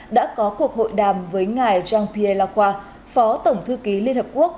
đã có cuộc hội đàm với ngài jean pierre lacroix phó tổng thư ký liên hợp quốc